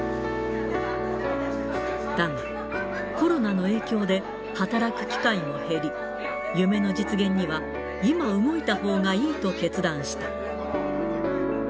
だが、コロナの影響で働く機会も減り、夢の実現には、今動いたほうがいいと決断した。